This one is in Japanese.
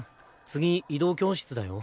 次移動教室だよ。